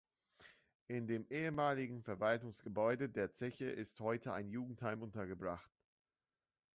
In dem ehemaligen Verwaltungsgebäude der Zeche ist heute ein Jugendheim untergebracht.